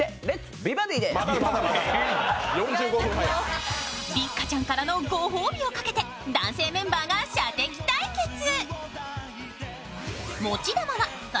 六花ちゃんからのご褒美をかけて男性メンバーが射的対決。